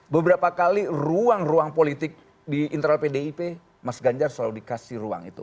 beberapa kali ruang ruang politik di internal pdip mas ganjar selalu dikasih ruang itu